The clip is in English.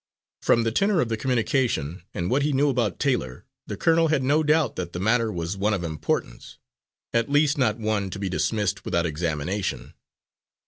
From the tenor of the communication, and what he knew about Taylor, the colonel had no doubt that the matter was one of importance, at least not one to be dismissed without examination.